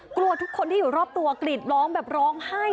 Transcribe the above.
กลัวทุกคนที่อยู่รอบตัวกรีดร้องแบบร้องไห้